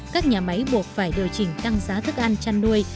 các nhà máy buộc phải điều chỉnh tăng giá thức ăn chăn nuôi